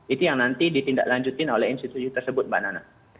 itu yang nanti ditindaklanjutin oleh institusi tersebut mbak nana